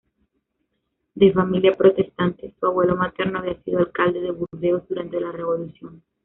De familia protestante, su abuelo materno había sido alcalde de Burdeos durante la Revolución.